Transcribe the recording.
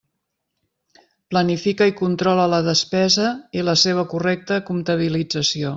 Planifica i controla la despesa i la seva correcta comptabilització.